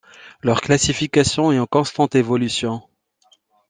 Leur classification est en constante évolution.